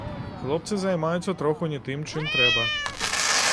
Хлопцы займаюцца троху не тым, чым трэба.